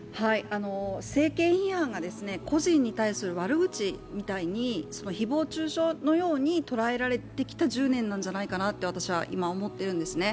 政権批判が個人に対する悪口のように誹謗中傷のように捉えられてきた１０年なんじゃないかと私は思っているんですね。